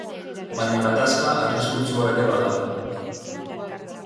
Baina gatazka arriskutsua ere bada.